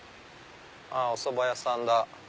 おそば屋さんだ。